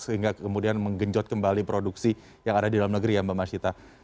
sehingga kemudian menggenjot kembali produksi yang ada di dalam negeri mbak masita